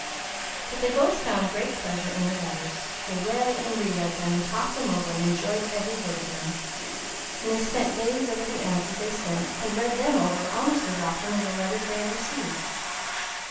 But they both found great pleasure in their letters. They read and re read them, and talked them over and enjoyed every word of them. And they spent days over the answers they sent and read them over almost as often as the letters they had received.